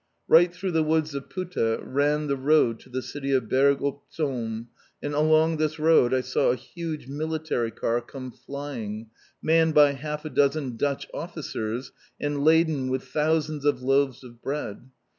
Right through the woods of Putte ran the road to the city of Berg op Zoom, and along this road I saw a huge military car come flying, manned by half a dozen Dutch Officers and laden with thousands of loaves of bread.